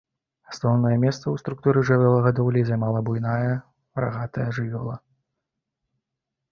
Асноўнае месца ў структуры жывёлагадоўлі займала буйная рагатая жывёла.